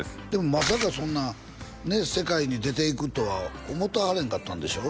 まさかそんなね世界に出ていくとは思ってはれんかったんでしょ？